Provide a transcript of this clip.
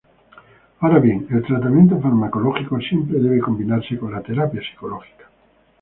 Ahora bien, el tratamiento farmacológico siempre debe combinarse con la terapia psicológica.